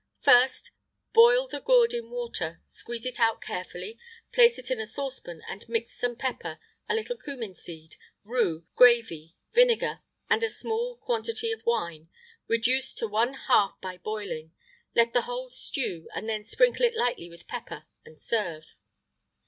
1st. Boil the gourd in water, squeeze it out carefully, place it in a saucepan, and mix some pepper, a little cummin seed, rue, gravy, vinegar, and a small quantity of wine, reduced to one half by boiling. Let the whole stew, and then sprinkle it lightly with pepper, and serve.